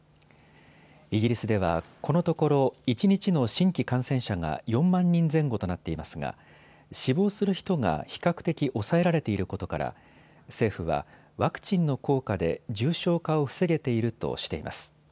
イギリスでは、このところ一日の新規感染者が４万人前後となっていますが死亡する人が比較的抑えられていることから政府はワクチンの効果で重症化を防げているとしています。